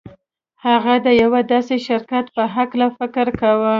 هغه د یوه داسې شرکت په هکله فکر کاوه